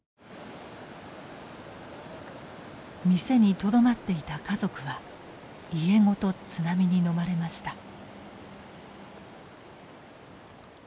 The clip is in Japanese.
店にとどまっていた家族は家ごと津波にのまれました。